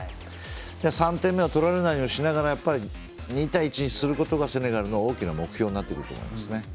３点目を取られないようにしながら２対１にするのがセネガルの大きな目標になってくると思いますね。